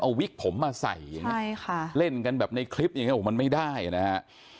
เอาวิกผมมาใส่อย่างนี้ใช่ค่ะเล่นกันแบบในคลิปอย่างเงี้โอ้โหมันไม่ได้นะฮะ